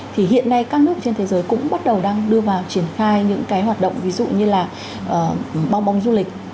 thì hiện nay các nước trên thế giới cũng bắt đầu đang đưa vào triển khai những cái hoạt động ví dụ như là bong bóng du lịch